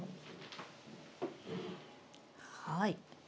はい。